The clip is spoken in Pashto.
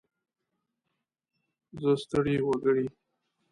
زه ستړی وګړی.